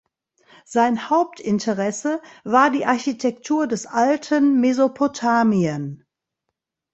Sein Hauptinteresse war die Architektur des Alten Mesopotamien.